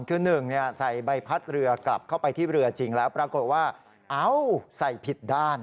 คือหนึ่งใส่ใบพัดเรือกลับเข้าไปที่เรือจริงแล้วปรากฏว่าเอ้าใส่ผิดด้าน